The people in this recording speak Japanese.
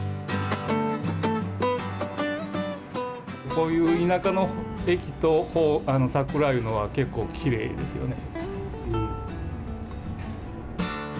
こういう田舎の駅と桜いうのは、きれいですよね。